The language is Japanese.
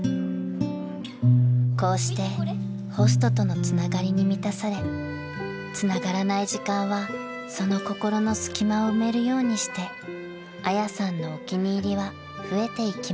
［こうしてホストとのつながりに満たされつながらない時間はその心の隙間を埋めるようにしてあやさんのお気に入りは増えていきました］